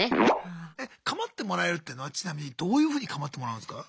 構ってもらえるっていうのはちなみにどういうふうに構ってもらうんすか？